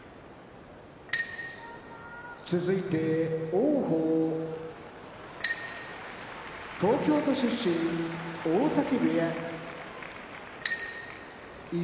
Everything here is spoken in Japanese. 王鵬東京都出身大嶽部屋一